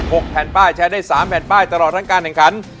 แผ่นป้ายใช้ได้สามแผ่นป้ายตลอดทั้งการแข่งขัน